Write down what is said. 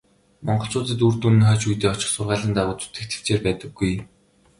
Монголчуудад үр дүн нь хойч үедээ очих сургаалын дагуу зүтгэх тэвчээр байдаггүй.